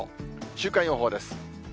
週間予報です。